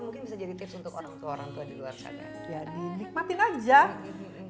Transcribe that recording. mungkin bisa jadi tips untuk orang tua orang tua di luar sana jadi nikmatin aja diikutin mereka mau kemana karena aku tuh tipe ibu yang